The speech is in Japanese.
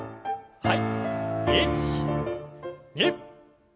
はい。